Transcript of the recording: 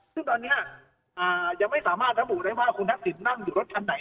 ซึ่งตอนนี้ยังไม่สามารถระบุได้ว่าคุณทักษิณนั่งอยู่รถคันไหน